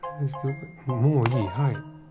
もういいはい。